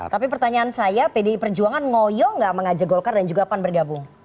tapi pertanyaan saya pdi perjuangan ngoyo nggak mengajak golkar dan juga pan bergabung